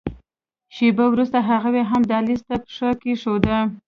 شېبه وروسته هغوی هم دهلېز ته پښه کېښوده.